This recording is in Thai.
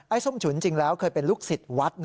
ส้มฉุนจริงแล้วเคยเป็นลูกศิษย์วัด